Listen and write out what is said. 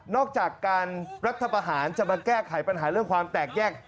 อกจากการรัฐประหารจะมาแก้ไขปัญหาเรื่องความแตกแยก